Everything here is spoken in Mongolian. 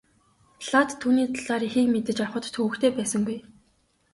Платт түүний талаар ихийг мэдэж авахад төвөгтэй байсангүй.